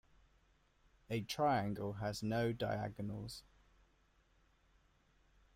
A triangle has no diagonals.